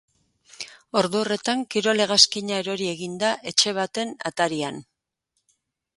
Ordu horretan, kirol-hegazkina erori egin da etxe baten atarian.